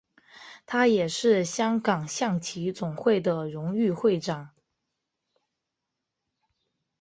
他也是香港象棋总会的荣誉会长。